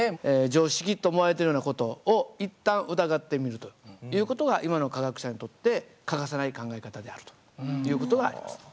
常識と思われているような事を一旦疑ってみるという事が今の科学者にとって欠かせない考え方であるという事があります。